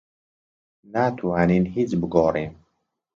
ناتوانین هیچ بگۆڕین.